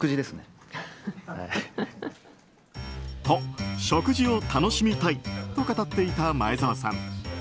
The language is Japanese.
と、食事を楽しみたいと語っていた前澤さん。